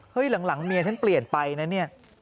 หลังเมียฉันเปลี่ยนไปนะเนี่ย